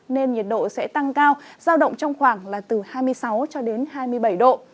nên nhiệt độ sẽ tăng cao giao động trong khoảng là từ hai mươi sáu hai mươi bảy độ